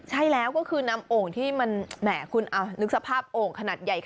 ใช่แล้วก็คือนำโอ่งที่มันแหมคุณนึกสภาพโอ่งขนาดใหญ่